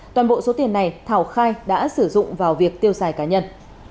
toàn bộ số tiền này thảo khai đã sử dụng vào việc tiêu xài cá nhân